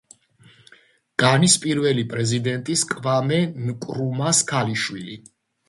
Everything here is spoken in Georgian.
განის პირველი პრეზიდენტის კვამე ნკრუმას ქალიშვილი.